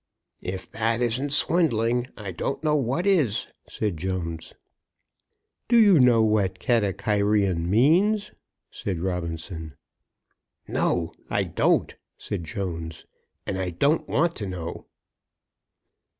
"If that isn't swindling, I don't know what is," said Jones. "Do you know what Katakairion means?" said Robinson. "No; I don't," said Jones. "And I don't want to know."